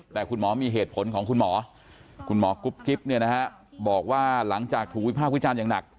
แต่คุณหมอมีเหตุผลของคุณหมอคุณหมอกุ๊บกิ๊บเนี่ยนะฮะบอกว่าหลังจากถูกวิภาควิจารณ์อย่างหนัก